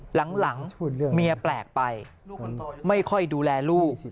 หลังเมียแปลกไปไม่ค่อยดูแลลูก